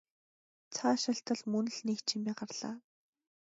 Цаашилтал мөн л нэг чимээ гарлаа.